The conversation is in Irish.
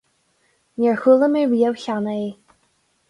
Níor chuala mé riamh cheana é.